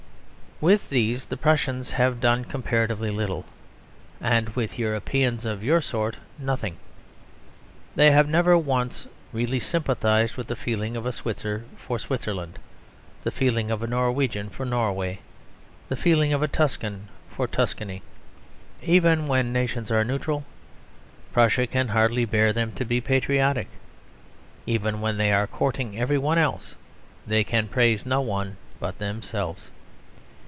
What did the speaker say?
With these the Prussians have done comparatively little; and with Europeans of your sort nothing. They have never once really sympathised with the feeling of a Switzer for Switzerland; the feeling of a Norwegian for Norway; the feeling of a Tuscan for Tuscany. Even when nations are neutral, Prussia can hardly bear them to be patriotic. Even when they are courting every one else they can praise no one but themselves.